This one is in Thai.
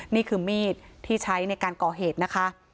นี่คือมีดที่ใช้ในการก่อเหตุนะคะ